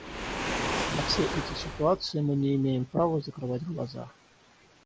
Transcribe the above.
На все эти ситуации мы не имеем права закрывать глаза.